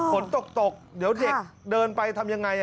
ฝนตกเดี๋ยวเด็กเดินไปทำยังไง